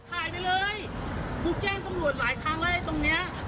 ถ่ายถ่ายถ่ายไปเลยบุ๊กแจ้งส่วนหลายทางเลยตรงเนี้ย